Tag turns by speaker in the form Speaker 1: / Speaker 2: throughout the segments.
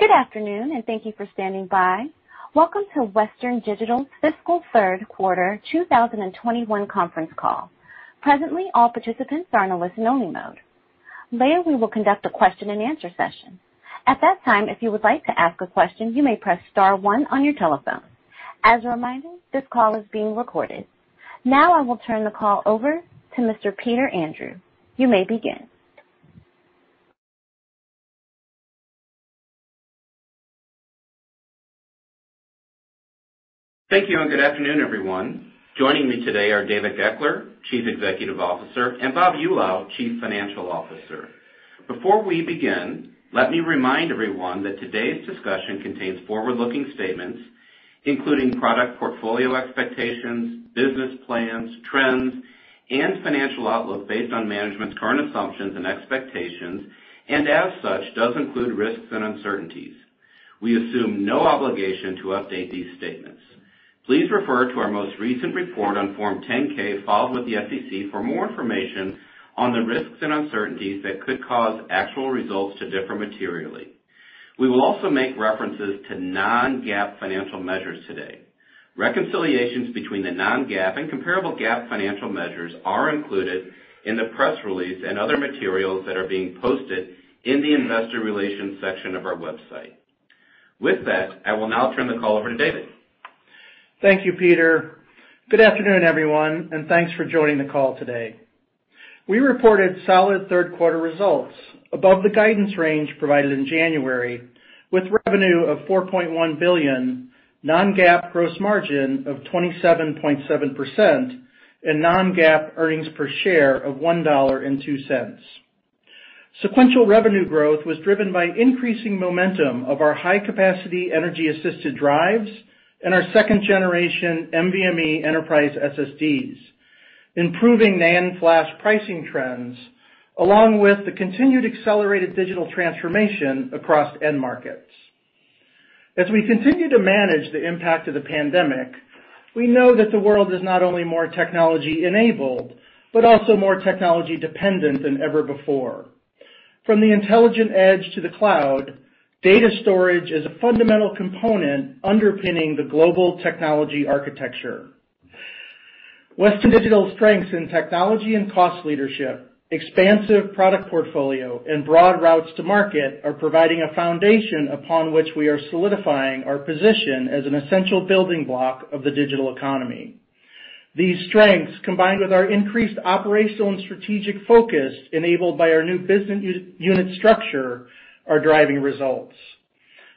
Speaker 1: Good afternoon. Thank you for standing by. Welcome to Western Digital Fiscal Q3 2021 Conference Call. Presently, all participants are in listen-only mode. Later, we will conduct a question-and-answer session. At that time, if you would like to ask a question, you may press star one on your telephone. As a reminder, this call is being recorded. I will turn the call over to Mr. Peter Andrew. You may begin.
Speaker 2: Thank you, and good afternoon, everyone. Joining me today are David Goeckeler, Chief Executive Officer, and Bob Eulau, Chief Financial Officer. Before we begin, let me remind everyone that today's discussion contains forward-looking statements, including product portfolio expectations, business plans, trends, and financial outlook based on management's current assumptions and expectations, as such, does include risks and uncertainties. We assume no obligation to update these statements. Please refer to our most recent report on Form 10-K filed with the SEC for more information on the risks and uncertainties that could cause actual results to differ materially. We will also make references to non-GAAP financial measures today. Reconciliations between the non-GAAP and comparable GAAP financial measures are included in the press release and other materials that are being posted in the investor relations section of our website. With that, I will now turn the call over to David.
Speaker 3: Thank you, Peter. Good afternoon, everyone, thanks for joining the call today. We reported solid Q3 results above the guidance range provided in January, with revenue of $4.1 billion, non-GAAP gross margin of 27.7%, and non-GAAP earnings per share of $1.02. Sequential revenue growth was driven by increasing momentum of our high-capacity energy-assisted drives and our second-generation NVMe enterprise SSDs, improving NAND flash pricing trends, along with the continued accelerated digital transformation across end markets. As we continue to manage the impact of the pandemic, we know that the world is not only more technology-enabled, but also more technology-dependent than ever before. From the intelligent edge to the cloud, data storage is a fundamental component underpinning the global technology architecture. Western Digital's strengths in technology and cost leadership, expansive product portfolio, and broad routes to market are providing a foundation upon which we are solidifying our position as an essential building block of the digital economy. These strengths, combined with our increased operational and strategic focus enabled by our new business unit structure, are driving results.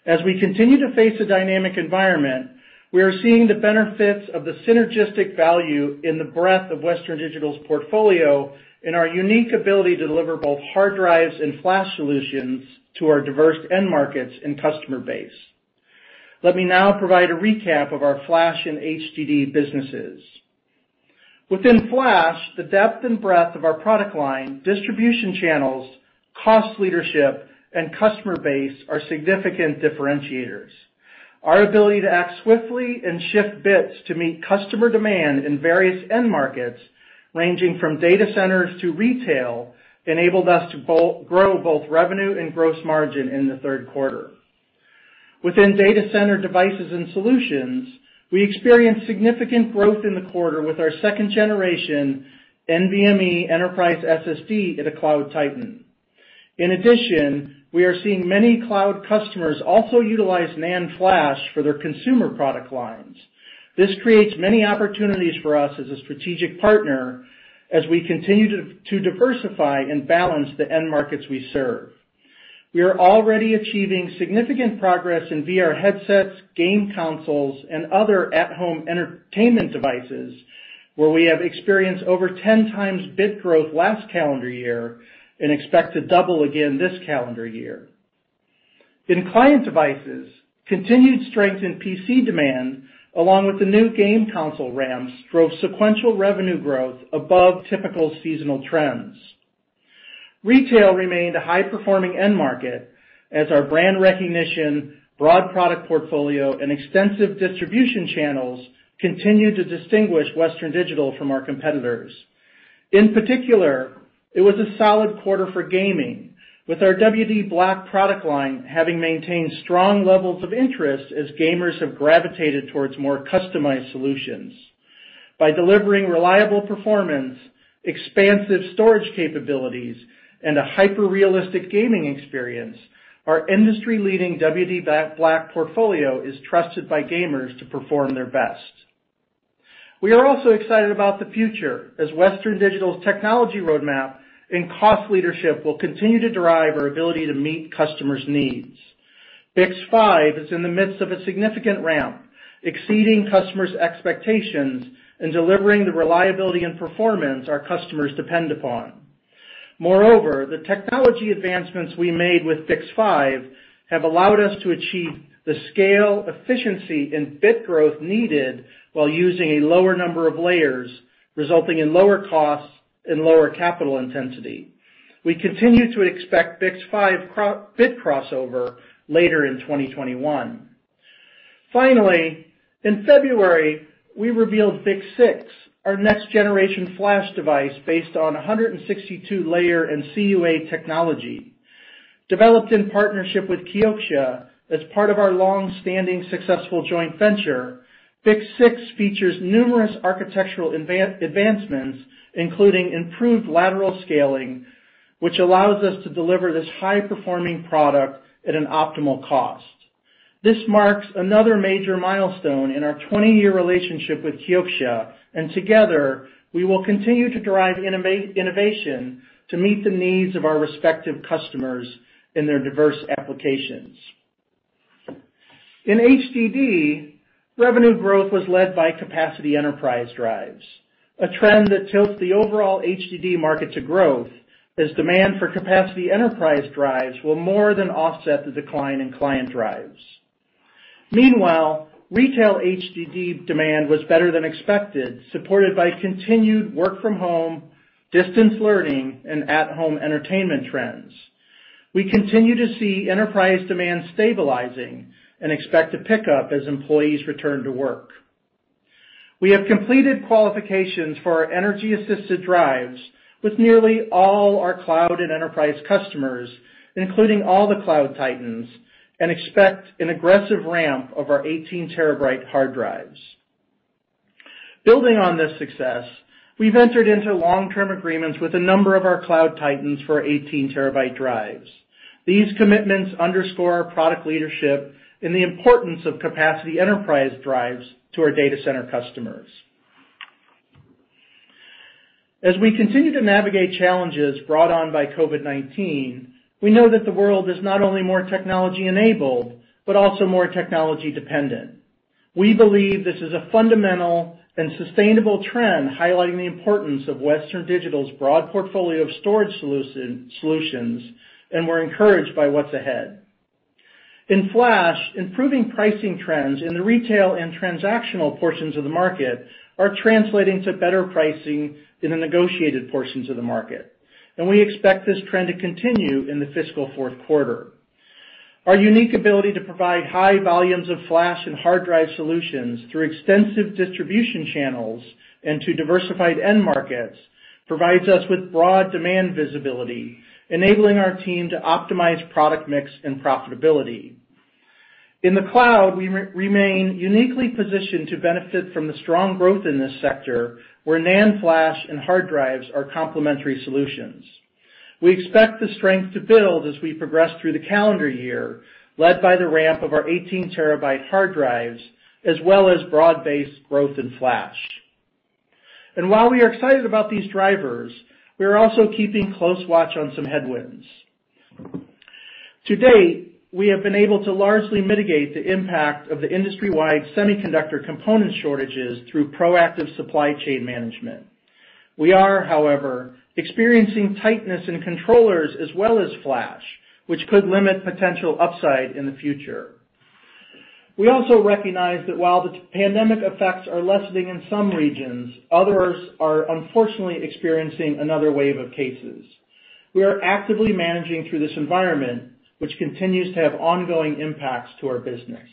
Speaker 3: As we continue to face a dynamic environment, we are seeing the benefits of the synergistic value in the breadth of Western Digital's portfolio and our unique ability to deliver both hard drives and flash solutions to our diverse end markets and customer base. Let me now provide a recap of our Flash and HDD businesses. Within Flash, the depth and breadth of our product line, distribution channels, cost leadership, and customer base are significant differentiators. Our ability to act swiftly and shift bits to meet customer demand in various end markets, ranging from data centers to retail, enabled us to grow both revenue and gross margin in the Q3. Within data center devices and solutions, we experienced significant growth in the quarter with our second-generation NVMe Enterprise SSD at a cloud titan. In addition, we are seeing many cloud customers also utilize NAND flash for their consumer product lines. This creates many opportunities for us as a strategic partner as we continue to diversify and balance the end markets we serve. We are already achieving significant progress in VR headsets, game consoles, and other at-home entertainment devices, where we have experienced over 10x bit growth last calendar year and expect to double again this calendar year. In client devices, continued strength in PC demand, along with the new game console ramps, drove sequential revenue growth above typical seasonal trends. Retail remained a high-performing end market as our brand recognition, broad product portfolio, and extensive distribution channels continued to distinguish Western Digital from our competitors. In particular, it was a solid quarter for gaming, with our WD_BLACK product line having maintained strong levels of interest as gamers have gravitated towards more customized solutions. By delivering reliable performance, expansive storage capabilities, and a hyper-realistic gaming experience, our industry-leading WD_BLACK portfolio is trusted by gamers to perform their best. We are also excited about the future as Western Digital's technology roadmap and cost leadership will continue to drive our ability to meet customers' needs. BiCS5 is in the midst of a significant ramp, exceeding customers' expectations and delivering the reliability and performance our customers depend upon. Moreover, the technology advancements we made with BiCS5 have allowed us to achieve the scale, efficiency, and bit growth needed while using a lower number of layers, resulting in lower costs and lower capital intensity. We continue to expect BiCS5 bit crossover later in 2021. In February, we revealed BiCS6, our next-generation flash device based on 162 layer and QLC technology. Developed in partnership with Kioxia as part of our longstanding successful joint venture, BiCS6 features numerous architectural advancements, including improved lateral scaling, which allows us to deliver this high-performing product at an optimal cost. This marks another major milestone in our 20-year relationship with Kioxia. Together, we will continue to drive innovation to meet the needs of our respective customers in their diverse applications. In HDD, revenue growth was led by capacity enterprise drives, a trend that tilts the overall HDD market to growth as demand for capacity enterprise drives will more than offset the decline in client drives. Meanwhile, retail HDD demand was better than expected, supported by continued work-from-home, distance learning, and at-home entertainment trends. We continue to see enterprise demand stabilizing and expect to pick up as employees return to work. We have completed qualifications for our energy-assisted drives with nearly all our cloud and enterprise customers, including all the cloud titans, and expect an aggressive ramp of our 18 TB hard drives. Building on this success, we've entered into long-term agreements with a number of our cloud titans for 18 TB drives. These commitments underscore our product leadership and the importance of capacity enterprise drives to our data center customers. As we continue to navigate challenges brought on by COVID-19, we know that the world is not only more technology-enabled, but also more technology-dependent. We believe this is a fundamental and sustainable trend highlighting the importance of Western Digital's broad portfolio of storage solutions, and we're encouraged by what's ahead. In flash, improving pricing trends in the retail and transactional portions of the market are translating to better pricing in the negotiated portions of the market, and we expect this trend to continue in the fiscal Q4. Our unique ability to provide high volumes of flash and hard drive solutions through extensive distribution channels and to diversified end markets provides us with broad demand visibility, enabling our team to optimize product mix and profitability. In the cloud, we remain uniquely positioned to benefit from the strong growth in this sector, where NAND flash and hard drives are complementary solutions. We expect the strength to build as we progress through the calendar year, led by the ramp of our 18 TB hard drives, as well as broad-based growth in flash. While we are excited about these drivers, we are also keeping close watch on some headwinds. To date, we have been able to largely mitigate the impact of the industry-wide semiconductor component shortages through proactive supply chain management. We are, however, experiencing tightness in controllers as well as flash, which could limit potential upside in the future. We also recognize that while the pandemic effects are lessening in some regions, others are unfortunately experiencing another wave of cases. We are actively managing through this environment, which continues to have ongoing impacts to our business.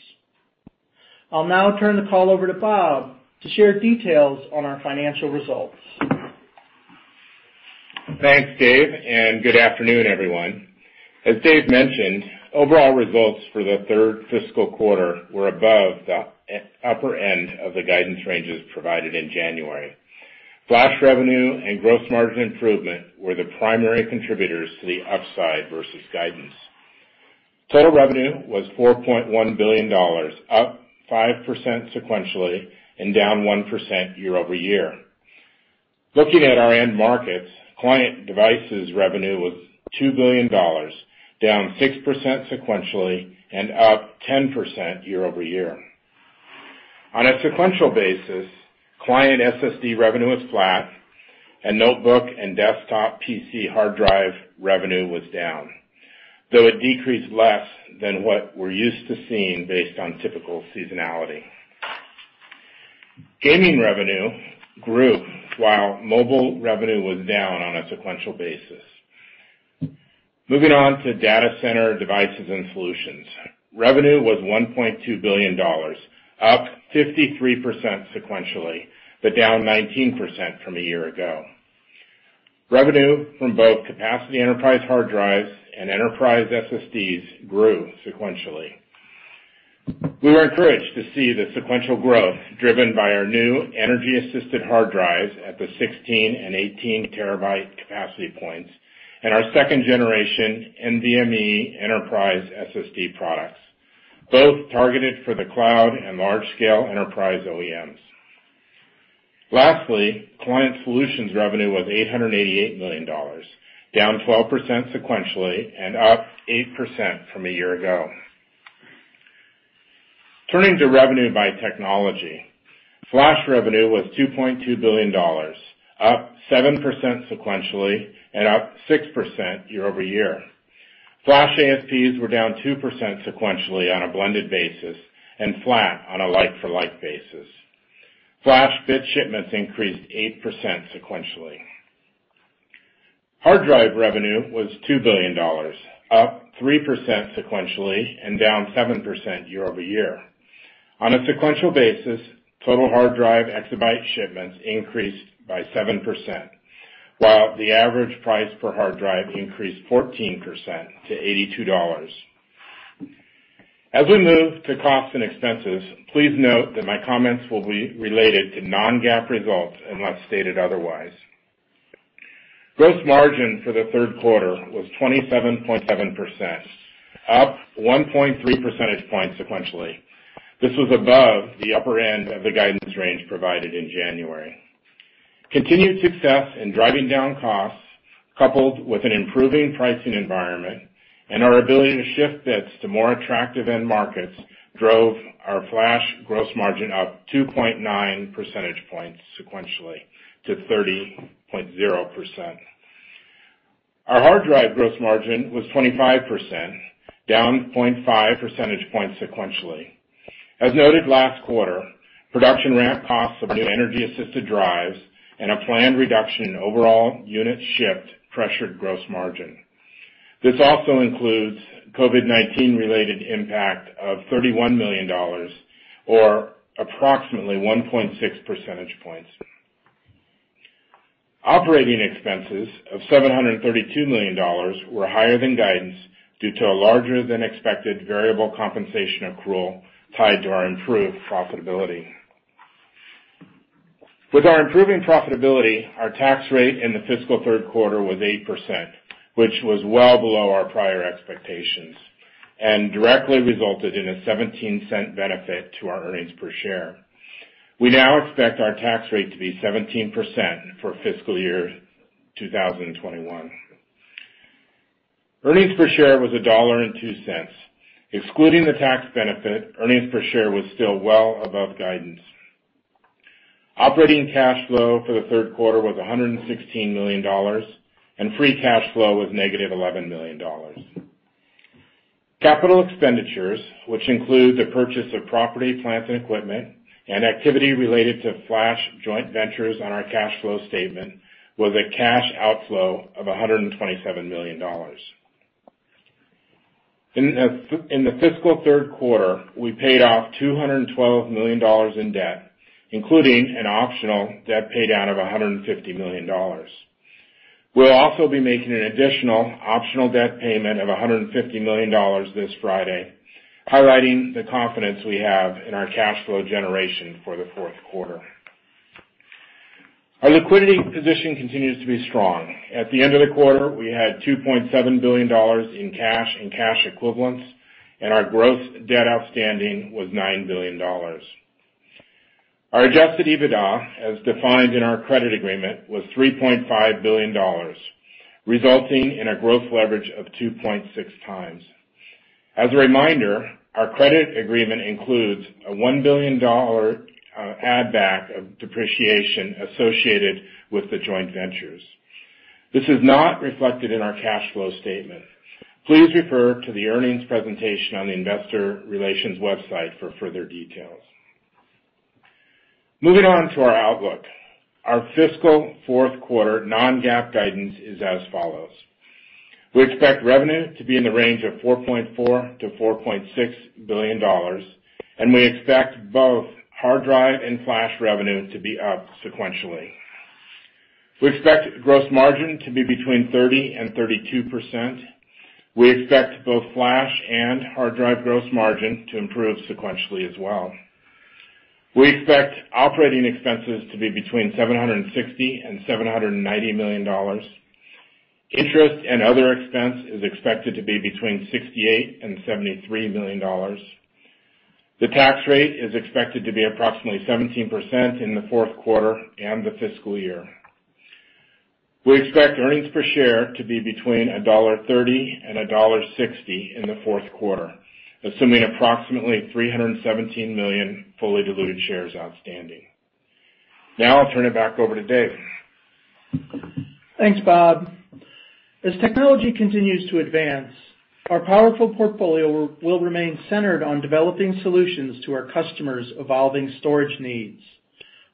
Speaker 3: I'll now turn the call over to Bob to share details on our financial results.
Speaker 4: Thanks, Dave. Good afternoon, everyone. As Dave mentioned, overall results for the third fiscal quarter were above the upper end of the guidance ranges provided in January. Flash revenue and gross margin improvement were the primary contributors to the upside versus guidance. Total revenue was $4.1 billion, up 5% sequentially and down 1% year-over-year. Looking at our end markets, client devices revenue was $2 billion, down 6% sequentially and up 10% year-over-year. On a sequential basis, client SSD revenue was flat, and notebook and desktop PC hard drive revenue was down. It decreased less than what we're used to seeing based on typical seasonality. Gaming revenue grew while mobile revenue was down on a sequential basis. Moving on to data center devices and solutions. Revenue was $1.2 billion, up 53% sequentially, but down 19% from a year ago. Revenue from both capacity enterprise hard drives and enterprise SSDs grew sequentially. We were encouraged to see the sequential growth driven by our new energy-assisted hard drives at the 16 TB and 18 TB capacity points, and our second-generation NVMe Enterprise SSD products, both targeted for the Cloud and large-scale enterprise OEMs. Lastly, Client solutions revenue was $888 million, down 12% sequentially and up 8% from a year ago. Turning to revenue by technology. Flash revenue was $2.2 billion, up 7% sequentially and up 6% year-over-year. Flash ASPs were down 2% sequentially on a blended basis and flat on a like-for-like basis. Flash bit shipments increased 8% sequentially. Hard drive revenue was $2 billion, up 3% sequentially and down 7% year-over-year. On a sequential basis, total hard drive exabyte shipments increased by 7%, while the average price per hard drive increased 14% to $82. As we move to costs and expenses, please note that my comments will be related to non-GAAP results unless stated otherwise. Gross margin for the Q3 was 27.7%, up 1.3 percentage points sequentially. This was above the upper end of the guidance range provided in January. Continued success in driving down costs, coupled with an improving pricing environment and our ability to shift bits to more attractive end markets, drove our flash gross margin up 2.9 percentage points sequentially to 30.0%. Our hard drive gross margin was 25%, down 0.5 percentage points sequentially. As noted last quarter, production ramp costs of new energy-assisted drives and a planned reduction in overall units shipped pressured gross margin. This also includes COVID-19 related impact of $31 million, or approximately 1.6 percentage points. Operating expenses of $732 million were higher than guidance due to a larger-than-expected variable compensation accrual tied to our improved profitability. With our improving profitability, our tax rate in the fiscal Q3 was 8%, which was well below our prior expectations and directly resulted in a $0.17 benefit to our earnings per share. We now expect our tax rate to be 17% for fiscal year 2021. Earnings per share was $1.02. Excluding the tax benefit, earnings per share was still well above guidance. Operating cash flow for the Q3 was $116 million, and free cash flow was negative $11 million. Capital expenditures, which include the purchase of property, plant, and equipment and activity related to flash joint ventures on our cash flow statement, was a cash outflow of $127 million. In the fiscal Q3, we paid off $212 million in debt, including an optional debt paydown of $150 million. We'll also be making an additional optional debt payment of $150 million this Friday, highlighting the confidence we have in our cash flow generation for the Q4. Our liquidity position continues to be strong. At the end of the quarter, we had $2.7 billion in cash and cash equivalents, and our gross debt outstanding was $9 billion. Our Adjusted EBITDA, as defined in our credit agreement, was $3.5 billion, resulting in a gross leverage of 2.6x. As a reminder, our credit agreement includes a $1 billion add back of depreciation associated with the joint ventures. This is not reflected in our cash flow statement. Please refer to the earnings presentation on the investor relations website for further details. Moving on to our outlook. Our fiscal Q4 non-GAAP guidance is as follows: We expect revenue to be in the range of $4.4 billion-$4.6 billion, we expect both hard drive and flash revenue to be up sequentially. We expect gross margin to be between 30% and 32%. We expect both flash and hard drive gross margin to improve sequentially as well. We expect operating expenses to be between $760 million and $790 million. Interest and other expense is expected to be between $68 million and $73 million. The tax rate is expected to be approximately 17% in the Q4 and the fiscal year. We expect earnings per share to be between $1.30 and $1.60 in the Q4, assuming approximately 317 million fully diluted shares outstanding. I'll turn it back over to Dave.
Speaker 3: Thanks, Bob. As technology continues to advance, our powerful portfolio will remain centered on developing solutions to our customers' evolving storage needs.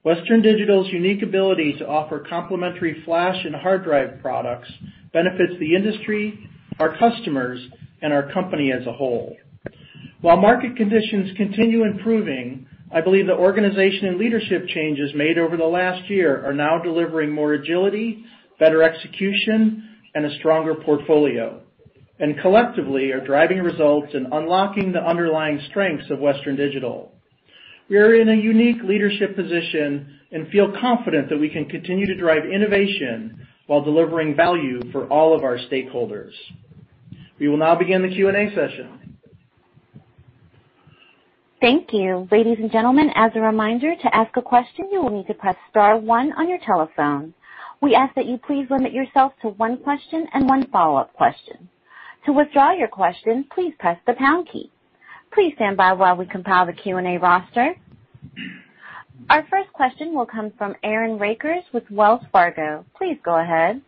Speaker 3: Western Digital's unique ability to offer complementary flash and hard drive products benefits the industry, our customers, and our company as a whole. While market conditions continue improving, I believe the organization and leadership changes made over the last year are now delivering more agility, better execution, and a stronger portfolio, and collectively are driving results in unlocking the underlying strengths of Western Digital. We are in a unique leadership position and feel confident that we can continue to drive innovation while delivering value for all of our stakeholders. We will now begin the Q&A session.
Speaker 1: Thank you. Ladies and gentlemen, as a reminder, to ask a question, you will need to press star one on your telephone. We ask that you please limit yourself to one question and one follow-up question. To withdraw your question, please press the pound key. Please stand by while we compile the Q&A roster. Our first question will come from Aaron Rakers with Wells Fargo. Please go ahead.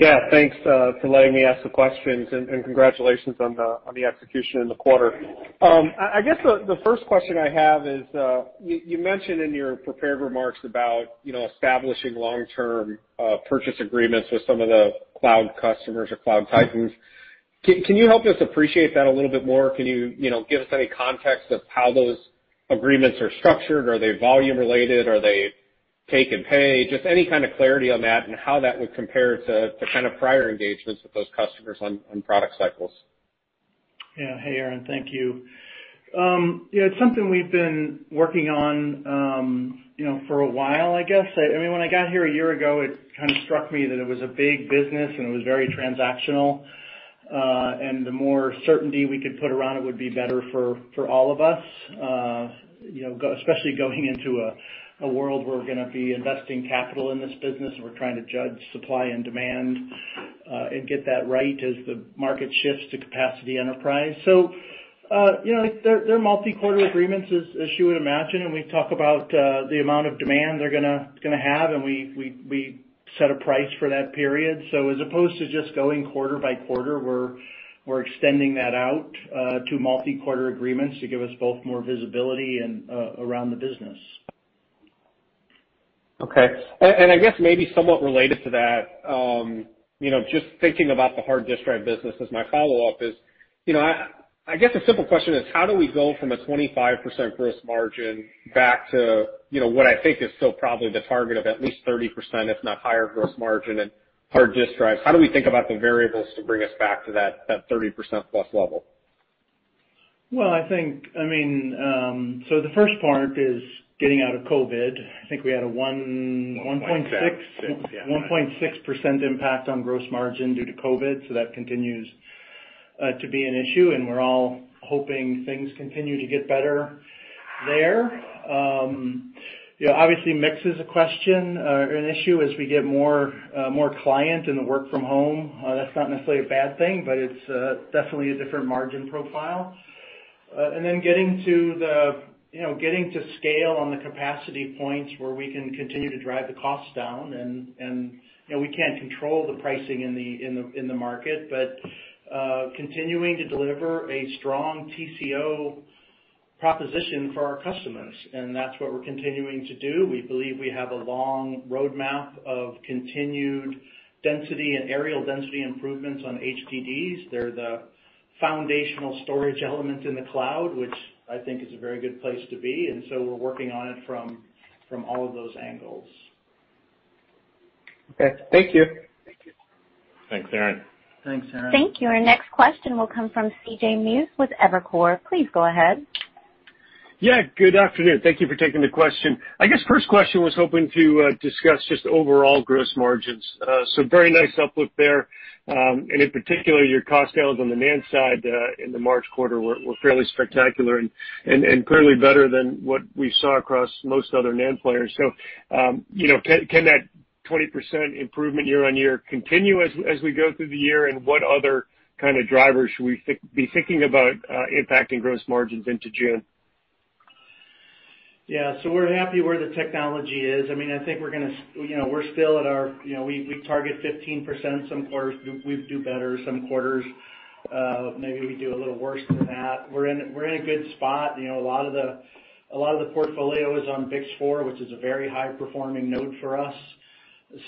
Speaker 5: Yeah. Thanks for letting me ask the questions. Congratulations on the execution in the quarter. I guess the first question I have is, you mentioned in your prepared remarks about establishing long-term purchase agreements with some of the cloud customers or Cloud Titans. Can you help us appreciate that a little bit more? Can you give us any context of how those agreements are structured? Are they volume related? Are they take and pay? Just any kind of clarity on that and how that would compare to kind of prior engagements with those customers on product cycles.
Speaker 3: Yeah. Hey, Aaron. Thank you. It's something we've been working on for a while, I guess. When I got here a year ago, it kind of struck me that it was a big business and it was very transactional. The more certainty we could put around it would be better for all of us, especially going into a world where we're going to be investing capital in this business and we're trying to judge supply and demand, and get that right as the market shifts to capacity enterprise. They're multi-quarter agreements as you would imagine, and we talk about the amount of demand they're going to have, and we set a price for that period. As opposed to just going quarter by quarter, we're extending that out to multi-quarter agreements to give us both more visibility around the business.
Speaker 5: Okay. I guess maybe somewhat related to that, just thinking about the hard disk drive business as my follow-up is, I guess a simple question is, how do we go from a 25% gross margin back to what I think is still probably the target of at least 30%, if not higher gross margin and hard disk drives? How do we think about the variables to bring us back to that 30% plus level?
Speaker 3: The first part is getting out of COVID. I think we had a one-
Speaker 4: 1.6%, yeah.
Speaker 3: 1.6% impact on gross margin due to COVID. That continues to be an issue. We're all hoping things continue to get better there. Obviously, mix is a question or an issue as we get more client in the work from home. That's not necessarily a bad thing, but it's definitely a different margin profile. Then getting to scale on the capacity points where we can continue to drive the costs down, and we can't control the pricing in the market, but continuing to deliver a strong TCO proposition for our customers, and that's what we're continuing to do. We believe we have a long roadmap of continued density and areal density improvements on HDDs. They're the foundational storage element in the cloud, which I think is a very good place to be. We're working on it from all of those angles.
Speaker 5: Okay. Thank you.
Speaker 4: Thanks, Aaron.
Speaker 3: Thanks, Aaron.
Speaker 1: Thank you. Our next question will come from CJ Muse with Evercore. Please go ahead.
Speaker 6: Yeah. Good afternoon. Thank you for taking the question. I guess first question was hoping to discuss just overall gross margins. Very nice uplift there. In particular, your cost downs on the NAND side in the March quarter were fairly spectacular and clearly better than what we saw across most other NAND players. Can that 20% improvement year-on-year continue as we go through the year? What other kind of drivers should we be thinking about impacting gross margins into June?
Speaker 3: We're happy where the technology is. We target 15%. Some quarters we do better, some quarters maybe we do a little worse than that. We're in a good spot. A lot of the portfolio is on BiCS4, which is a very high performing node for us.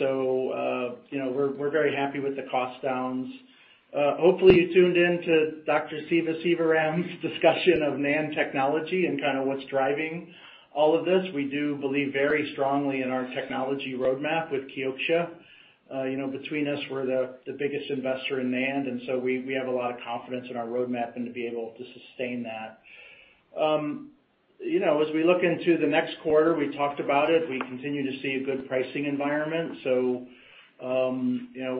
Speaker 3: We're very happy with the cost downs. Hopefully, you tuned in to Dr. Siva Sivaram's discussion of NAND technology and kind of what's driving all of this. We do believe very strongly in our technology roadmap with Kioxia. Between us, we're the biggest investor in NAND, we have a lot of confidence in our roadmap and to be able to sustain that. As we look into the next quarter, we talked about it, we continue to see a good pricing environment.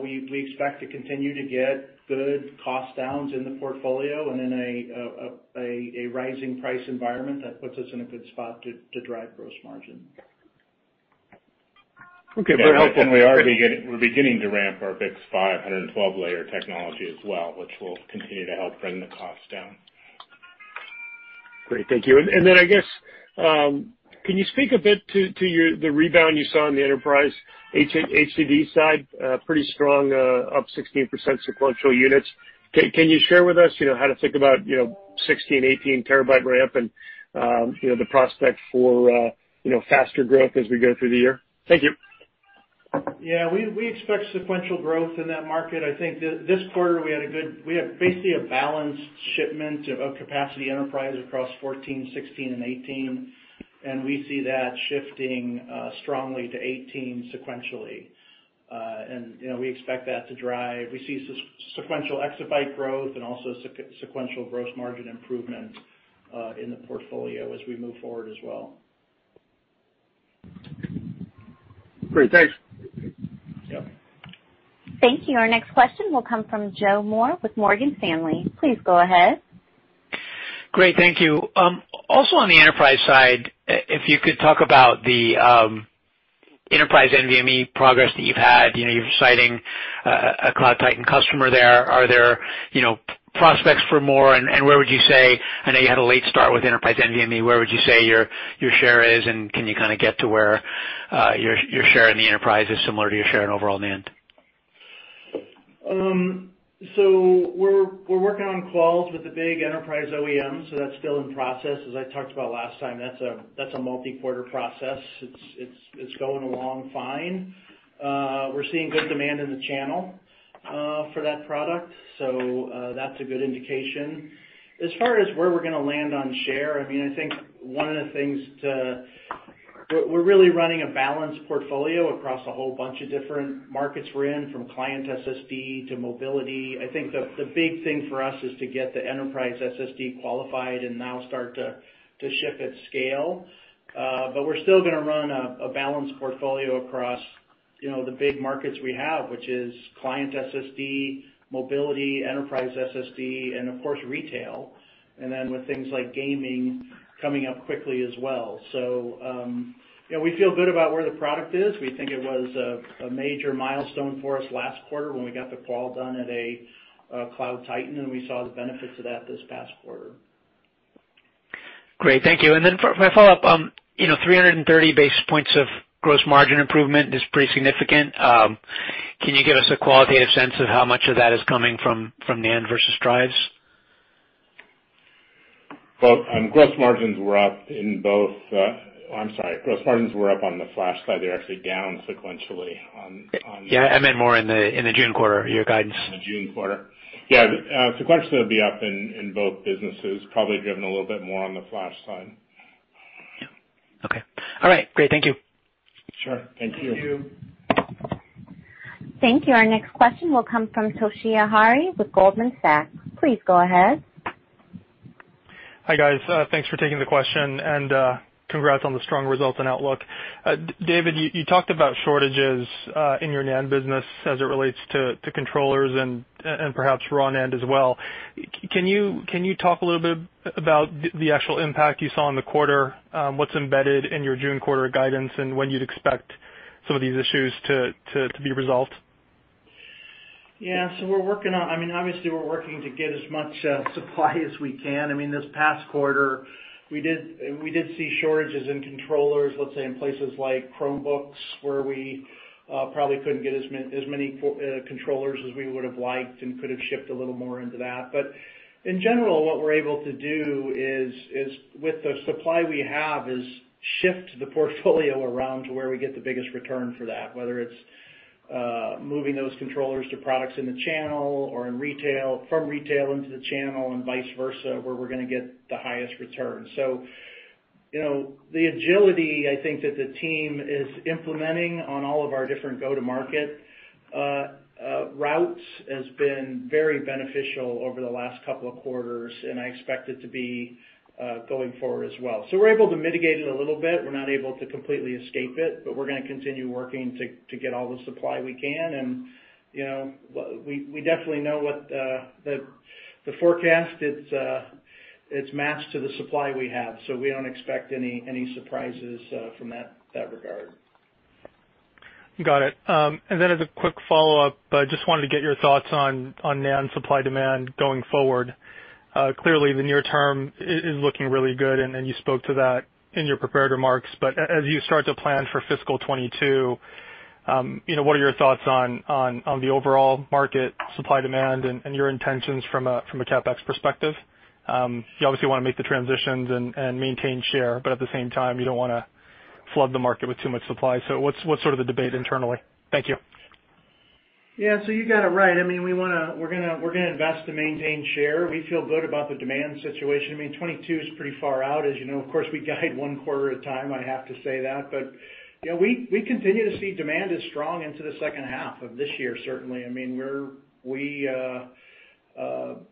Speaker 3: We expect to continue to get good cost downs in the portfolio and in a rising price environment that puts us in a good spot to drive gross margin.
Speaker 6: Okay. Very helpful.
Speaker 4: We're beginning to ramp our BiCS5 layer technology as well, which will continue to help bring the cost down.
Speaker 6: Great. Thank you. Then I guess, can you speak a bit to the rebound you saw on the enterprise HDD side? Pretty strong, up 16% sequential units. Can you share with us how to think about 16 TB, 18 TB ramp and the prospect for faster growth as we go through the year? Thank you.
Speaker 3: Yeah. We expect sequential growth in that market. I think this quarter we had basically a balanced shipment of capacity enterprise across 14 TB, 16 TB, and 18 TB, and we see that shifting strongly to 18 TB sequentially. We expect that to drive. We see sequential exabyte growth and also sequential gross margin improvement in the portfolio as we move forward as well.
Speaker 6: Great. Thanks.
Speaker 3: Yeah.
Speaker 1: Thank you. Our next question will come from Joe Moore with Morgan Stanley. Please go ahead.
Speaker 7: Great. Thank you. Also on the enterprise side, if you could talk about the enterprise NVMe progress that you've had. You're citing a cloud titan customer there. Are there prospects for more, and where would you say, I know you had a late start with enterprise NVMe, where would you say your share is, and can you get to where your share in the enterprise is similar to your share in overall NAND?
Speaker 3: We're working on quals with the big enterprise OEMs, that's still in process. As I talked about last time, that's a multi-quarter process. It's going along fine. We're seeing good demand in the channel for that product, so that's a good indication. As far as where we're going to land on share, I think one of the things, we're really running a balanced portfolio across a whole bunch of different markets we're in, from client SSD to mobility. I think the big thing for us is to get the enterprise SSD qualified and now start to ship at scale. We're still going to run a balanced portfolio across the big markets we have, which is client SSD, mobility, enterprise SSD, and of course, retail. With things like gaming coming up quickly as well. We feel good about where the product is. We think it was a major milestone for us last quarter when we got the qual done at a cloud titan, and we saw the benefits of that this past quarter.
Speaker 7: Great. Thank you. For my follow-up, 330 basis points of gross margin improvement is pretty significant. Can you give us a qualitative sense of how much of that is coming from NAND versus drives?
Speaker 4: Well, gross margins were up in both-I'm sorry. Gross margins were up on the flash side. They're actually down sequentially.
Speaker 7: Yeah, I meant more in the June quarter, your guidance.
Speaker 4: In the June quarter. Yeah. Sequentially, it'll be up in both businesses, probably driven a little bit more on the Flash side.
Speaker 7: Okay. All right. Great. Thank you.
Speaker 3: Sure. Thank you.
Speaker 4: Thank you.
Speaker 1: Thank you. Our next question will come from Toshiya Hari with Goldman Sachs. Please go ahead.
Speaker 8: Hi, guys. Thanks for taking the question, and congrats on the strong results and outlook. David, you talked about shortages in your NAND business as it relates to controllers and perhaps raw NAND as well. Can you talk a little bit about the actual impact you saw in the quarter, what's embedded in your June quarter guidance, and when you'd expect some of these issues to be resolved?
Speaker 3: We're working on, obviously, we're working to get as much supply as we can. This past quarter, we did see shortages in controllers, let's say, in places like Chromebooks, where we probably couldn't get as many controllers as we would've liked and could've shipped a little more into that. In general, what we're able to do is with the supply we have, is shift the portfolio around to where we get the biggest return for that, whether it's moving those controllers to products in the channel or in retail, from retail into the channel and vice versa, where we're going to get the highest return. The agility, I think that the team is implementing on all of our different go-to-market routes has been very beneficial over the last couple of quarters, and I expect it to be going forward as well. We're able to mitigate it a little bit. We're not able to completely escape it. We're going to continue working to get all the supply we can. We definitely know what the forecast, it's matched to the supply we have. We don't expect any surprises from that regard.
Speaker 8: Got it. Then as a quick follow-up, I just wanted to get your thoughts on NAND supply-demand going forward. Clearly, the near term is looking really good, and you spoke to that in your prepared remarks. As you start to plan for fiscal 2022, what are your thoughts on the overall market supply-demand and your intentions from a CapEx perspective? You obviously want to make the transitions and maintain share, but at the same time, you don't want to flood the market with too much supply. What's sort of the debate internally? Thank you.
Speaker 3: Yeah. You got it right. We're going to invest to maintain share. We feel good about the demand situation. 2022 is pretty far out as you know. Of course, we guide one quarter at a time, I have to say that. We continue to see demand is strong into the second half of this year, certainly.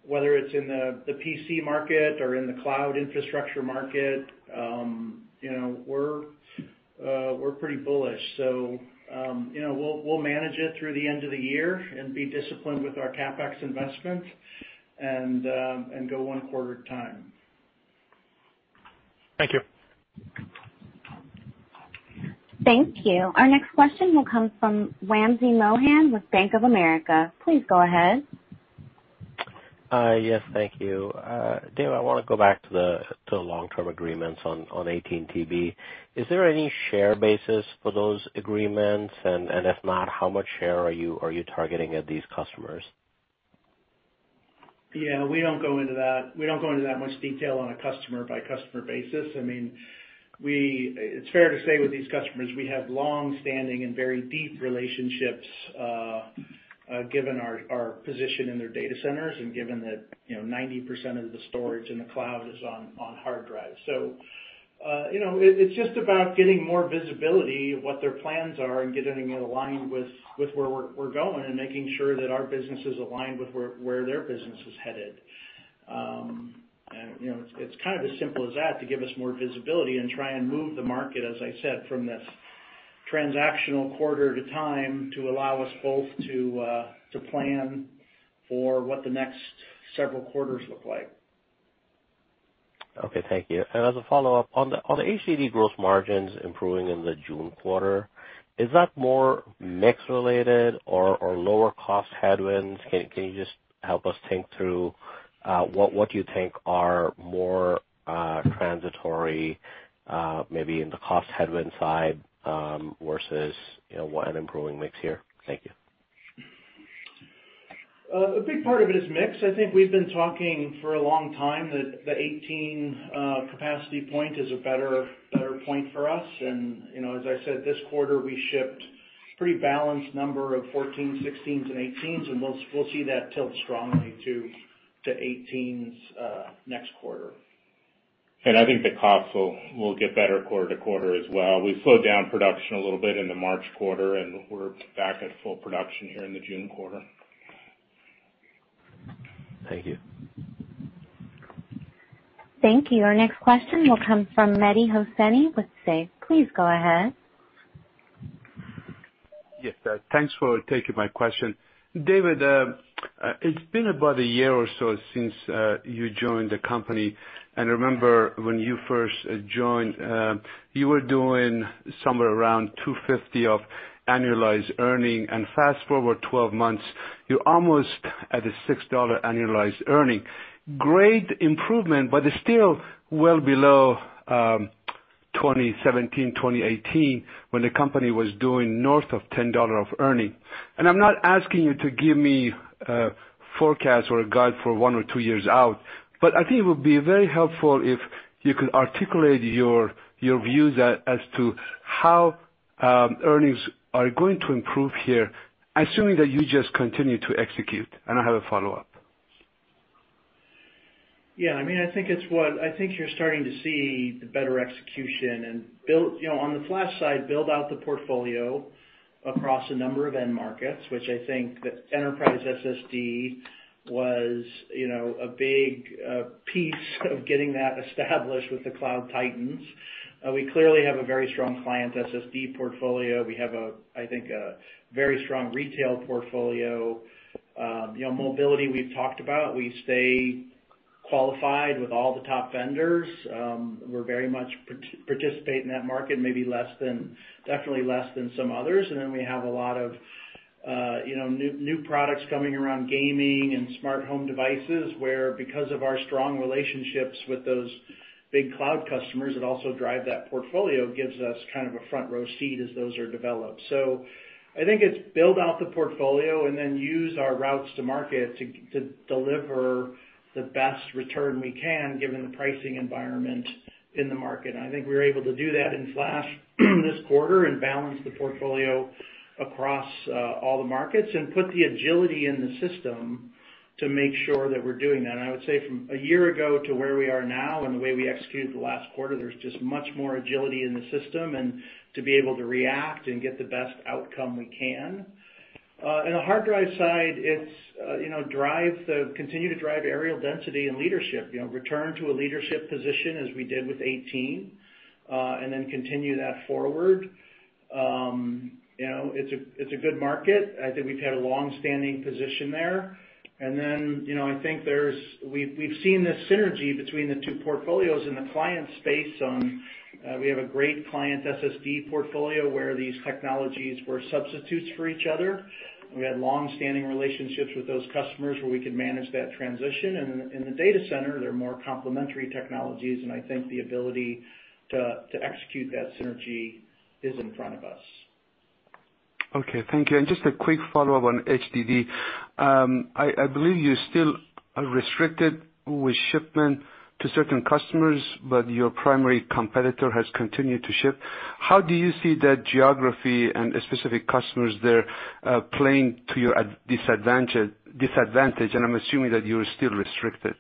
Speaker 3: Whether it's in the PC market or in the cloud infrastructure market, we're pretty bullish. We'll manage it through the end of the year and be disciplined with our CapEx investment and go one quarter at a time.
Speaker 8: Thank you.
Speaker 1: Thank you. Our next question will come from Wamsi Mohan with Bank of America. Please go ahead.
Speaker 9: Yes. Thank you. David, I want to go back to the long-term agreements on 18 TB. Is there any share basis for those agreements? If not, how much share are you targeting at these customers?
Speaker 3: Yeah. We don't go into that much detail on a customer-by-customer basis. It's fair to say with these customers, we have long-standing and very deep relationships, given our position in their data centers and given that 90% of the storage in the cloud is on hard drives. It's just about getting more visibility of what their plans are and getting it aligned with where we're going and making sure that our business is aligned with where their business is headed. It's kind of as simple as that, to give us more visibility and try and move the market, as I said, from this transactional quarter at a time to allow us both to plan for what the next several quarters look like.
Speaker 9: Okay. Thank you. As a follow-up, on the HDD gross margins improving in the June quarter, is that more mix-related or lower cost headwinds? Can you just help us think through what do you think are more transitory, maybe in the cost headwind side, versus an improving mix here? Thank you.
Speaker 3: A big part of it is mix. I think we've been talking for a long time that the 18 TB capacity point is a better point for us. As I said, this quarter we shipped pretty balanced number of 14 TB, 16 TB, and 18 TB, and we'll see that tilt strongly to 18 TB next quarter.
Speaker 4: I think the costs will get better quarter-to-quarter as well. We slowed down production a little bit in the March quarter, and we're back at full production here in the June quarter.
Speaker 9: Thank you.
Speaker 1: Thank you. Our next question will come from Mehdi Hosseini with Susquehanna. Please go ahead.
Speaker 10: Yes. Thanks for taking my question. David, it's been about a year or so since you joined the company. I remember when you first joined, you were doing somewhere around $250 of annualized earning. Fast-forward 12 months, you're almost at a $6 annualized earning. Great improvement, but it's still well below 2017, 2018, when the company was doing north of $10 of earning. I'm not asking you to give me a forecast or a guide for one or two years out, but I think it would be very helpful if you could articulate your views as to how earnings are going to improve here, assuming that you just continue to execute. I have a follow-up.
Speaker 3: Yeah. I think you're starting to see the better execution, and on the flash side, build out the portfolio across a number of end markets, which I think that enterprise SSD was a big piece of getting that established with the cloud titans. We clearly have a very strong client SSD portfolio. We have, I think, a very strong retail portfolio. Mobility, we've talked about. We stay qualified with all the top vendors. We very much participate in that market, maybe definitely less than some others. We have a lot of new products coming around gaming and smart home devices, where because of our strong relationships with those big cloud customers that also drive that portfolio, gives us kind of a front row seat as those are developed. I think it's build out the portfolio and then use our routes to market to deliver the best return we can, given the pricing environment in the market. I think we're able to do that in flash this quarter and balance the portfolio across all the markets and put the agility in the system to make sure that we're doing that. I would say from a year ago to where we are now and the way we executed the last quarter, there's just much more agility in the system and to be able to react and get the best outcome we can. In the hard drive side, it's continue to drive areal density and leadership, return to a leadership position as we did with 18 TB, and then continue that forward. It's a good market. I think we've had a long-standing position there. I think we've seen this synergy between the two portfolios in the client space. We have a great client SSD portfolio where these technologies were substitutes for each other. We had long-standing relationships with those customers where we could manage that transition. In the data center, they're more complementary technologies, and I think the ability to execute that synergy is in front of us.
Speaker 10: Okay, thank you. Just a quick follow-up on HDD. I believe you still are restricted with shipment to certain customers, but your primary competitor has continued to ship. How do you see that geography and specific customers there playing to your disadvantage? I'm assuming that you are still restricted.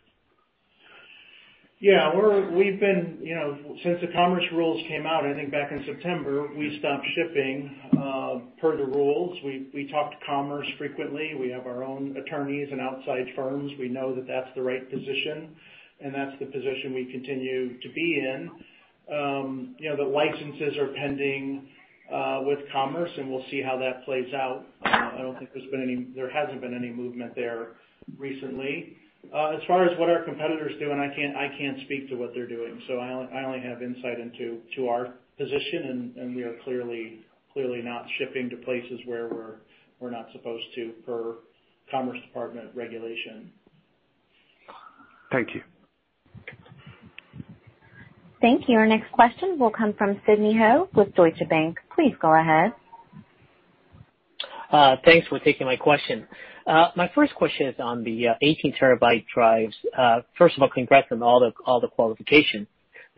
Speaker 3: Yeah. Since the Commerce rules came out, I think back in September, we stopped shipping per the rules. We talk to commerce frequently. We have our own attorneys and outside firms. We know that that's the right position, and that's the position we continue to be in. The licenses are pending with commerce, and we'll see how that plays out. I don't think there hasn't been any movement there recently. As far as what our competitors do, and I can't speak to what they're doing. I only have insight into our position, and we are clearly not shipping to places where we're not supposed to per Commerce Department regulation.
Speaker 10: Thank you.
Speaker 1: Thank you. Our next question will come from Sidney Ho with Deutsche Bank. Please go ahead.
Speaker 11: Thanks for taking my question. My first question is on the 18-TB drives. First of all, congrats on all the qualification.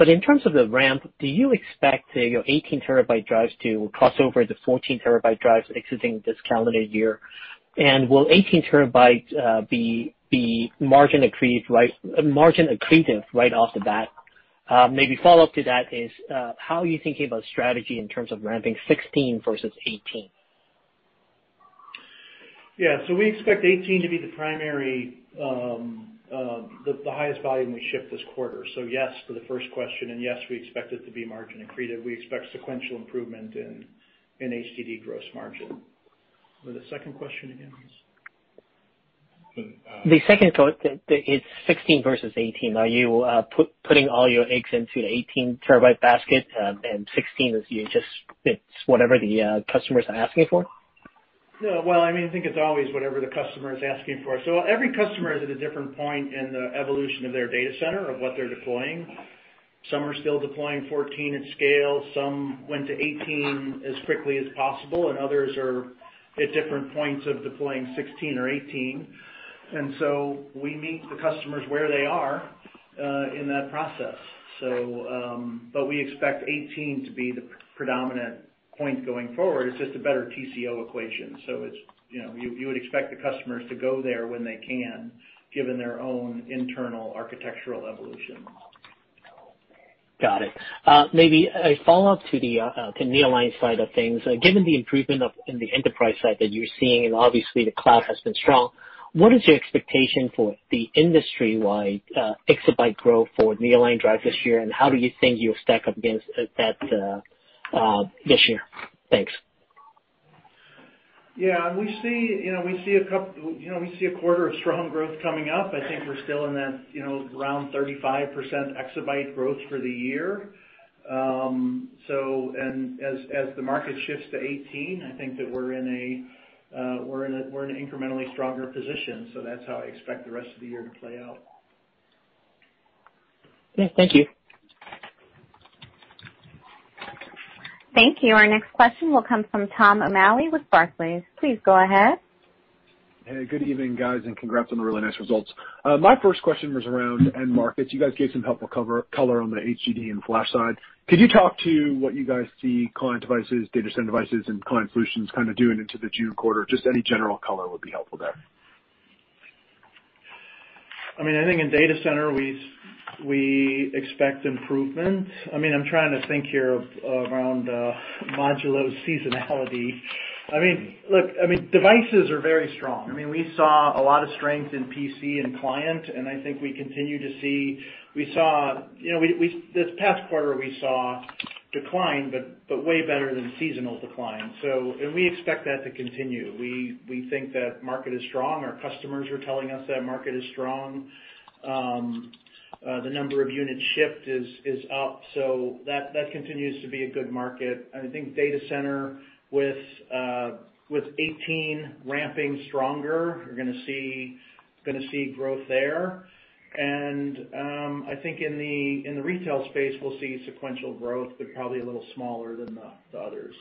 Speaker 11: In terms of the ramp, do you expect your 18-TB drives to cross over the 14 TB drives exiting this calendar year? Will 18 TB be margin accretive right off the bat? Maybe follow-up to that is, how are you thinking about strategy in terms of ramping 16 TB versus 18 TB?
Speaker 3: Yeah. We expect 18 TB to be the highest volume we ship this quarter. Yes, for the first question, and yes, we expect it to be margin accretive. We expect sequential improvement in HDD gross margin. What the second question again is?
Speaker 11: The second thought is 16 TB versus 18 TB. Are you putting all your eggs into the 18-TB basket, and 16 TB is whatever the customers are asking for?
Speaker 3: No. Well, I think it's always whatever the customer is asking for. Every customer is at a different point in the evolution of their data center, of what they're deploying. Some are still deploying 14 TB at scale, some went to 18 TB as quickly as possible, and others are at different points of deploying 16 TB or 18 TB. We meet the customers where they are in that process. We expect 18 TB to be the predominant point going forward. It's just a better TCO equation. You would expect the customers to go there when they can, given their own internal architectural evolution.
Speaker 11: Got it. Maybe a follow-up to the nearline side of things. Given the improvement in the enterprise side that you're seeing, and obviously the cloud has been strong, what is your expectation for the industry-wide exabyte growth for nearline drive this year, and how do you think you'll stack up against that this year? Thanks.
Speaker 3: Yeah. We see a quarter of strong growth coming up. I think we're still in that around 35% exabyte growth for the year. As the market shifts to 18 TB, I think that we're in an incrementally stronger position, so that's how I expect the rest of the year to play out.
Speaker 11: Yeah. Thank you.
Speaker 1: Thank you. Our next question will come from Tom O'Malley with Barclays. Please go ahead.
Speaker 12: Hey, good evening, guys, and congrats on the really nice results. My first question was around end markets. You guys gave some helpful color on the HDD and flash side. Could you talk to what you guys see client devices, data center devices, and client solutions kind of doing into the June quarter? Just any general color would be helpful there.
Speaker 3: I think in data center, we expect improvement. I'm trying to think here around modulo seasonality. Look, devices are very strong. We saw a lot of strength in PC and Client, and I think we continue to see. This past quarter, we saw decline, but way better than seasonal decline, and we expect that to continue. We think that market is strong. Our customers are telling us that market is strong. The number of units shipped is up, so that continues to be a good market. I think data center with 18 TB ramping stronger, you're going to see growth there. I think in the retail space, we'll see sequential growth, but probably a little smaller than the others.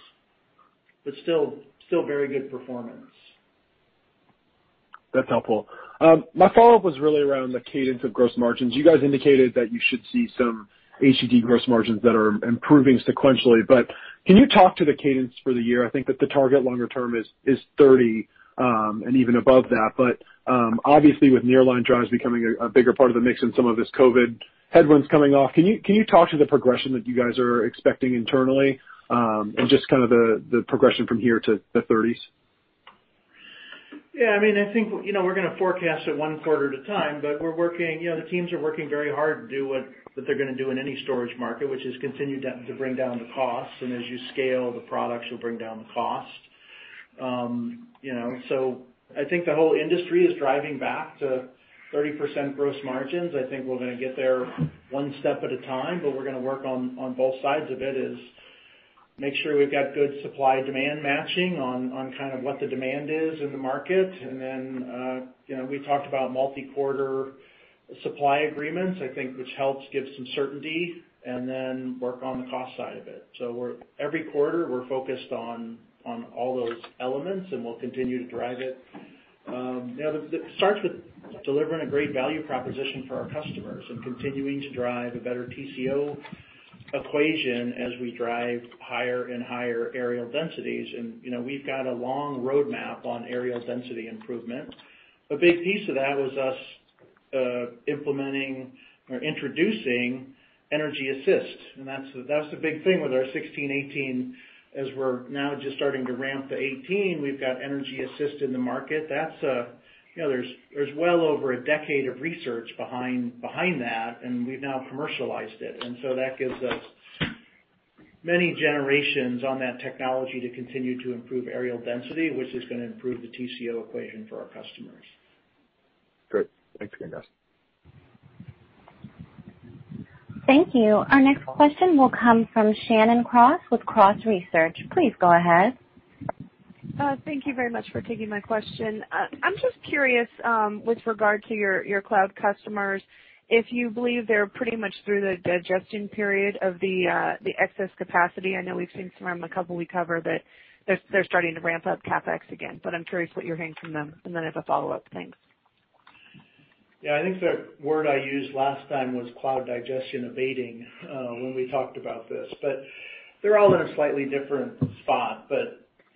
Speaker 3: Still very good performance.
Speaker 12: That's helpful. My follow-up was really around the cadence of gross margins. You guys indicated that you should see some HDD gross margins that are improving sequentially. Can you talk to the cadence for the year? I think that the target longer term is 30, and even above that. Obviously with nearline drives becoming a bigger part of the mix and some of this COVID headwinds coming off, can you talk to the progression that you guys are expecting internally, and just kind of the progression from here to the 30s?
Speaker 3: Yeah, I think we're going to forecast it one quarter at a time, but the teams are working very hard to do what they're going to do in any storage market, which is continue to bring down the costs, and as you scale the products, you'll bring down the cost. I think the whole industry is driving back to 30% gross margins. I think we're going to get there one step at a time, but we're going to work on both sides of it, is make sure we've got good supply-demand matching on kind of what the demand is in the market. Then we talked about multi-quarter supply agreements, I think, which helps give some certainty, and then work on the cost side of it. Every quarter, we're focused on all those elements, and we'll continue to drive it. It starts with delivering a great value proposition for our customers and continuing to drive a better TCO equation as we drive higher and higher areal densities. We've got a long roadmap on areal density improvement. A big piece of that was us implementing or introducing EnergyAssist, and that's the big thing with our 16 TB, 18 TB. As we're now just starting to ramp to 18 TB, we've got EnergyAssist in the market. There's well over a decade of research behind that, and we've now commercialized it, and so that gives us many generations on that technology to continue to improve areal density, which is going to improve the TCO equation for our customers.
Speaker 12: Great. Thanks again, guys.
Speaker 1: Thank you. Our next question will come from Shannon Cross with Cross Research. Please go ahead.
Speaker 13: Thank you very much for taking my question. I'm just curious, with regard to your cloud customers, if you believe they're pretty much through the digestion period of the excess capacity. I know we've seen some of them, a couple we cover, that they're starting to ramp up CapEx again, but I'm curious what you're hearing from them, and then I have a follow-up. Thanks.
Speaker 3: Yeah, I think the word I used last time was cloud digestion abating when we talked about this. They're all in a slightly different spot.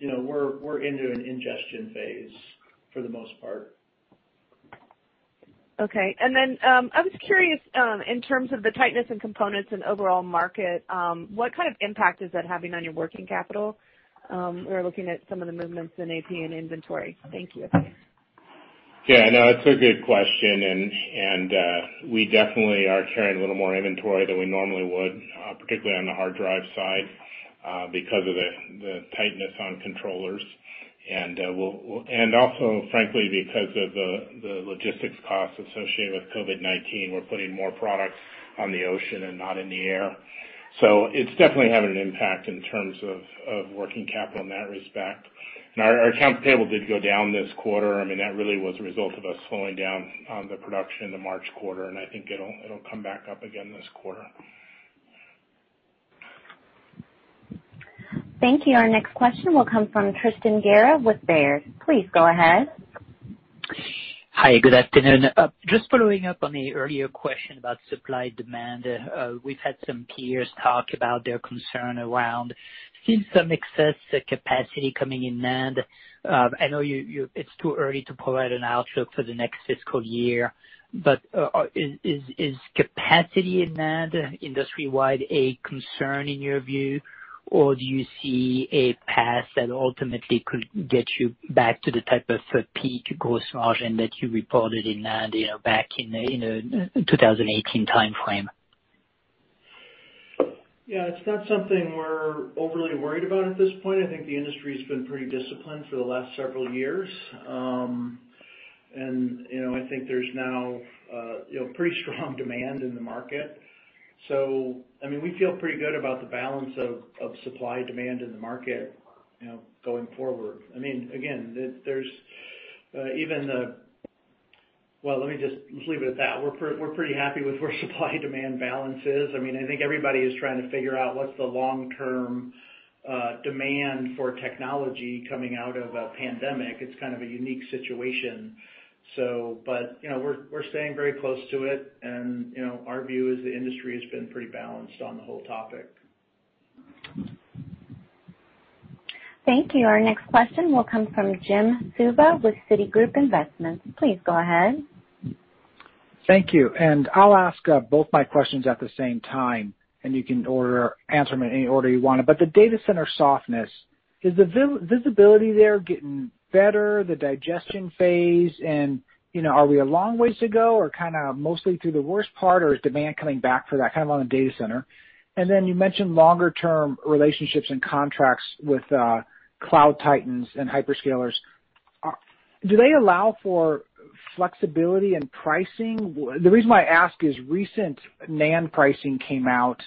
Speaker 3: We're into an ingestion phase for the most part.
Speaker 13: Okay. I was curious in terms of the tightness in components and overall market, what kind of impact is that having on your working capital? We're looking at some of the movements in AP and inventory. Thank you.
Speaker 4: Yeah. No, it's a good question, and we definitely are carrying a little more inventory than we normally would, particularly on the hard drive side, because of the tightness on controllers. Also, frankly, because of the logistics costs associated with COVID-19, we're putting more products on the ocean and not in the air. It's definitely having an impact in terms of working capital in that respect. Our accounts payable did go down this quarter. I mean, that really was a result of us slowing down on the production in the March quarter, and I think it'll come back up again this quarter.
Speaker 1: Thank you. Our next question will come from Tristan Gerra with Baird. Please go ahead.
Speaker 14: Hi, good afternoon. Just following up on the earlier question about supply demand. We've had some peers talk about their concern around seeing some excess capacity coming in NAND. I know it's too early to provide an outlook for the next fiscal year, but is capacity in NAND industry-wide a concern in your view, or do you see a path that ultimately could get you back to the type of peak gross margin that you reported in NAND back in 2018 timeframe?
Speaker 3: Yeah, it's not something we're overly worried about at this point. I think the industry's been pretty disciplined for the last several years. I think there's now pretty strong demand in the market. We feel pretty good about the balance of supply demand in the market going forward. Well, let me just leave it at that. We're pretty happy with where supply demand balance is. I think everybody is trying to figure out what's the long-term demand for technology coming out of a pandemic. It's kind of a unique situation. We're staying very close to it and our view is the industry has been pretty balanced on the whole topic.
Speaker 1: Thank you. Our next question will come from Jim Suva with Citigroup Investments. Please go ahead.
Speaker 15: Thank you. I'll ask both my questions at the same time, and you can answer them in any order you want to. The data center softness, is the visibility there getting better, the digestion phase, and are we a long ways to go or kind of mostly through the worst part, or is demand coming back for that kind of on the data center? Then you mentioned longer-term relationships and contracts with cloud titans and hyperscalers. Do they allow for flexibility in pricing? The reason why I ask is recent NAND pricing came out,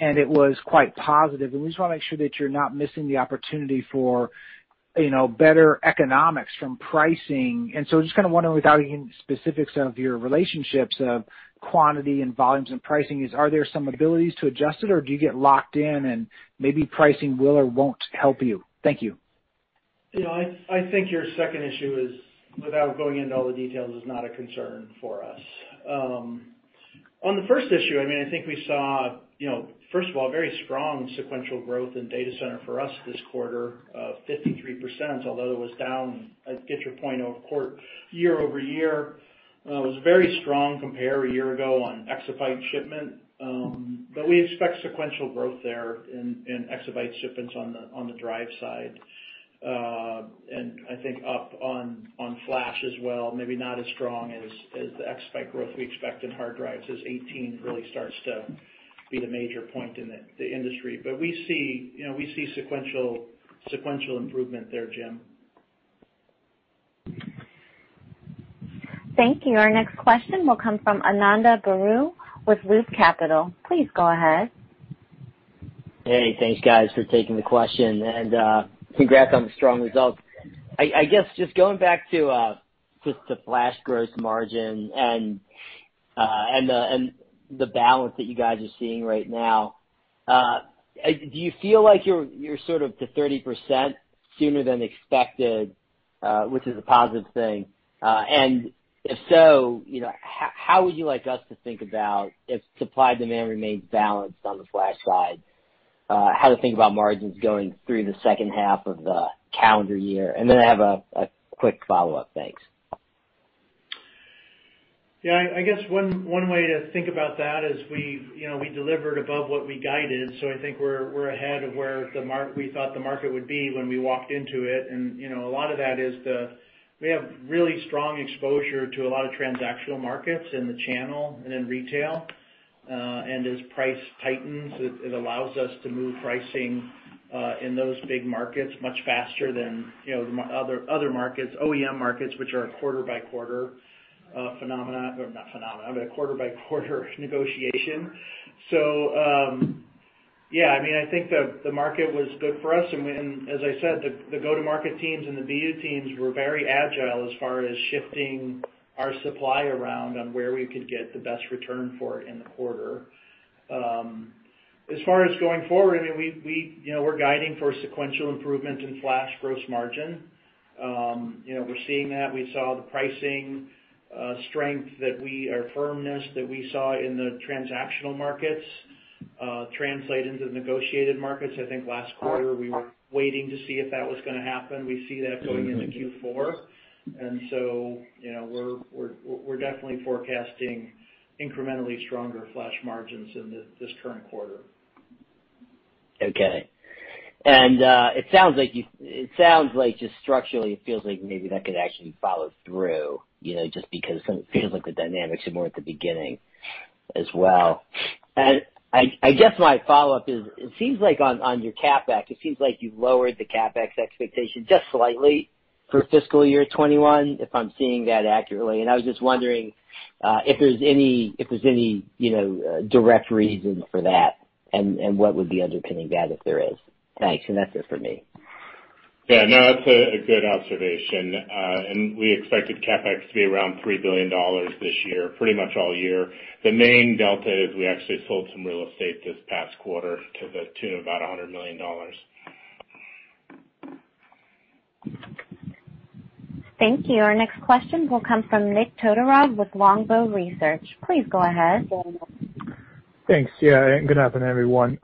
Speaker 15: and it was quite positive, and we just want to make sure that you're not missing the opportunity for better economics from pricing. Just kind of wondering, without getting into specifics of your relationships of quantity and volumes and pricing is, are there some abilities to adjust it, or do you get locked in and maybe pricing will or won't help you? Thank you.
Speaker 3: I think your second issue is, without going into all the details, is not a concern for us. On the first issue, I think we saw, first of all, very strong sequential growth in data center for us this quarter of 53%, although it was down. I get your point of quarter, year-over-year, was very strong compare a year ago on exabyte shipment. We expect sequential growth there in exabyte shipments on the drive side. I think up on flash as well, maybe not as strong as the exabyte growth we expect in hard drives as 2018 really starts to be the major point in the industry. We see sequential improvement there, Jim.
Speaker 1: Thank you. Our next question will come from Ananda Baruah with Loop Capital Markets. Please go ahead.
Speaker 16: Hey, thanks guys for taking the question and congrats on the strong results. I guess just going back to just the flash gross margin and the balance that you guys are seeing right now. Do you feel like you're sort of to 30% sooner than expected, which is a positive thing? If so, how would you like us to think about if supply demand remains balanced on the flash side, how to think about margins going through the second half of the calendar year? I have a quick follow-up. Thanks.
Speaker 3: Yeah, I guess one way to think about that is we delivered above what we guided, so I think we're ahead of where we thought the market would be when we walked into it. A lot of that is we have really strong exposure to a lot of transactional markets in the channel and in retail. As price tightens, it allows us to move pricing in those big markets much faster than other markets, OEM markets, which are a quarter by quarter phenomenon, or not phenomenon, but a quarter by quarter negotiation. Yeah, I think the market was good for us, and as I said, the go-to-market teams and the BD teams were very agile as far as shifting our supply around on where we could get the best return for it in the quarter. As far as going forward, we're guiding for sequential improvement in flash gross margin. We're seeing that. We saw the pricing strength, our firmness that we saw in the transactional markets translate into the negotiated markets. I think last quarter we were waiting to see if that was going to happen. We see that going into Q4, we're definitely forecasting incrementally stronger flash margins in this current quarter.
Speaker 16: Okay. It sounds like just structurally, it feels like maybe that could actually follow through, just because it feels like the dynamics are more at the beginning as well. I guess my follow-up is, it seems like on your CapEx, it seems like you've lowered the CapEx expectation just slightly for fiscal year 2021, if I'm seeing that accurately. I was just wondering if there's any direct reason for that, and what would be underpinning that if there is? Thanks, and that's it for me.
Speaker 4: Yeah, no, that's a good observation. We expected CapEx to be around $3 billion this year, pretty much all year. The main delta is we actually sold some real estate this past quarter to the tune of about $100 million.
Speaker 1: Thank you. Our next question will come from Nik Todorov with Longbow Research. Please go ahead.
Speaker 17: Thanks. Yeah, good afternoon, everyone.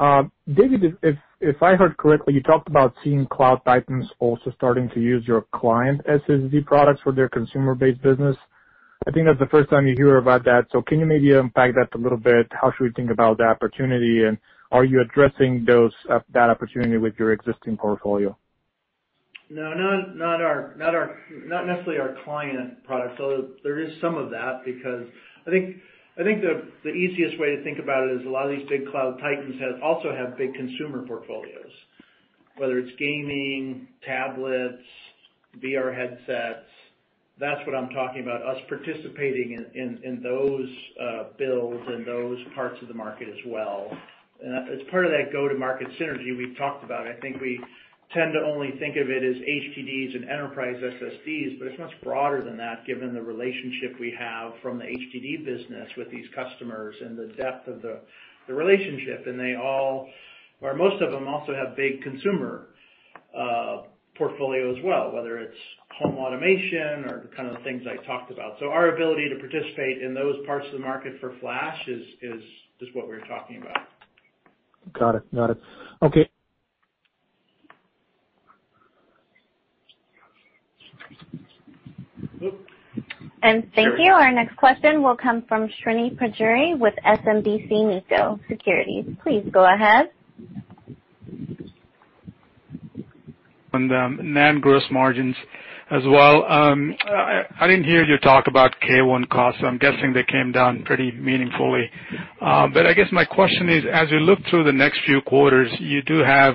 Speaker 17: David, if I heard correctly, you talked about seeing cloud titans also starting to use your client SSD products for their consumer-based business. I think that's the first time you hear about that. Can you maybe unpack that a little bit? How should we think about the opportunity, and are you addressing that opportunity with your existing portfolio?
Speaker 3: There is some of that, because I think the easiest way to think about it is a lot of these big cloud titans also have big consumer portfolios, whether it's gaming, tablets, VR headsets. That's what I'm talking about, us participating in those builds and those parts of the market as well. As part of that go-to-market synergy we've talked about, I think we tend to only think of it as HDDs and enterprise SSDs, but it's much broader than that, given the relationship we have from the HDD business with these customers and the depth of the relationship. They all, or most of them, also have big consumer portfolios as well, whether it's home automation or the kind of things I talked about. Our ability to participate in those parts of the market for flash is what we were talking about.
Speaker 17: Got it. Okay.
Speaker 1: Thank you. Our next question will come from Srini Pajjuri with SMBC Nikko Securities. Please go ahead.
Speaker 18: On the NAND gross margins as well. I didn't hear you talk about K1 costs, so I'm guessing they came down pretty meaningfully. I guess my question is, as you look through the next few quarters, you do have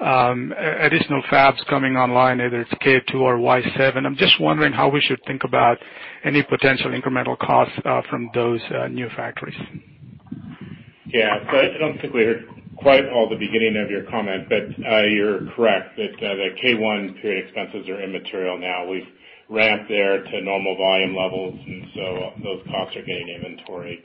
Speaker 18: additional fabs coming online, either it's K2 or Y7. I'm just wondering how we should think about any potential incremental costs from those new factories.
Speaker 4: Yeah. I don't think we heard quite all the beginning of your comment, but you're correct that K1 period expenses are immaterial now. We've ramped there to normal volume levels. Those costs are getting inventoried.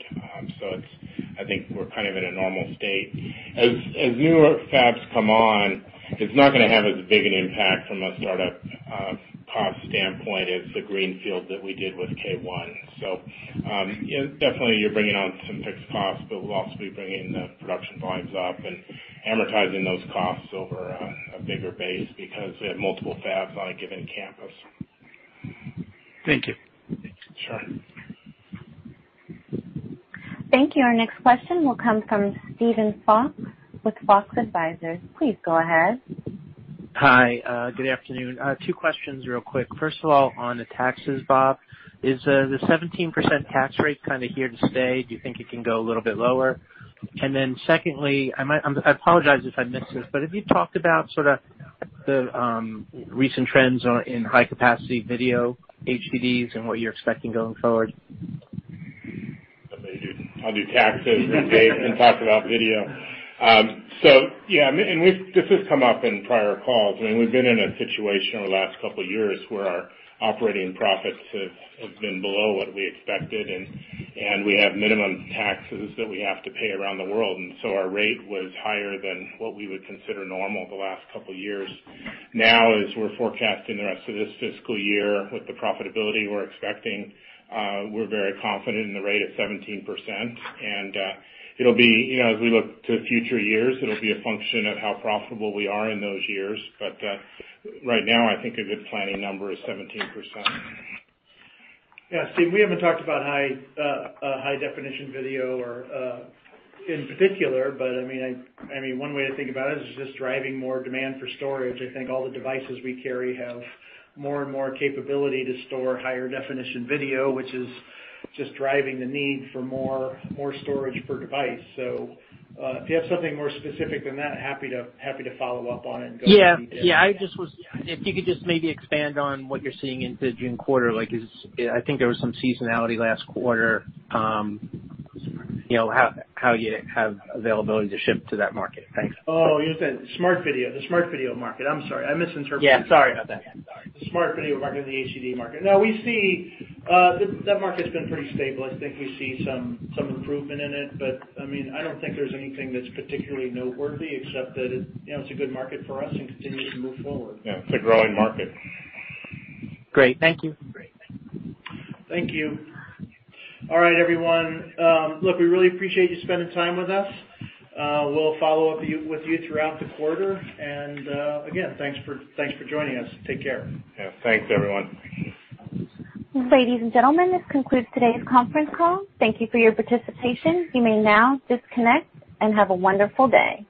Speaker 4: I think we're kind of in a normal state. As newer fabs come on, it's not going to have as big an impact from a startup cost standpoint as the greenfield that we did with K1. Definitely, you're bringing on some fixed costs, but we'll also be bringing the production volumes up and amortizing those costs over a bigger base because we have multiple fabs on a given campus.
Speaker 18: Thank you.
Speaker 4: Sure.
Speaker 1: Thank you. Our next question will come from Steven Fox with Fox Advisors. Please go ahead.
Speaker 19: Hi. Good afternoon. Two questions real quick. First of all, on the taxes, Bob, is the 17% tax rate kind of here to stay? Do you think it can go a little bit lower? Secondly, I apologize if I missed this, but have you talked about sort of the recent trends in high-capacity video HDDs and what you're expecting going forward?
Speaker 4: Maybe I'll do taxes and David Goeckeler can talk about video. Yeah, this has come up in prior calls. I mean, we've been in a situation over the last couple of years where our operating profits have been below what we expected, and we have minimum taxes that we have to pay around the world, our rate was higher than what we would consider normal the last couple of years. Now, as we're forecasting the rest of this fiscal year with the profitability we're expecting, we're very confident in the rate of 17%, as we look to future years, it'll be a function of how profitable we are in those years. Right now, I think a good planning number is 17%.
Speaker 3: Yeah, Steve, we haven't talked about high definition video in particular. One way to think about it is just driving more demand for storage. I think all the devices we carry have more and more capability to store higher definition video, which is just driving the need for more storage per device. If you have something more specific than that, happy to follow up on it and go from there.
Speaker 19: Yeah. If you could just maybe expand on what you're seeing in the June quarter, I think there was some seasonality last quarter. How you have availability to ship to that market? Thanks.
Speaker 3: You said smart video, the smart video market. I'm sorry, I misinterpreted.
Speaker 19: Yeah, sorry about that. Sorry.
Speaker 3: The smart video market and the HDD market. No, that market's been pretty stable. I think we see some improvement in it. I don't think there's anything that's particularly noteworthy except that it's a good market for us and continues to move forward.
Speaker 4: Yeah, it's a growing market.
Speaker 19: Great. Thank you.
Speaker 3: Thank you. All right, everyone. Look, we really appreciate you spending time with us. We'll follow up with you throughout the quarter, and again, thanks for joining us. Take care.
Speaker 4: Yeah. Thanks, everyone.
Speaker 1: Ladies and gentlemen, this concludes today's conference call. Thank you for your participation. You may now disconnect, and have a wonderful day.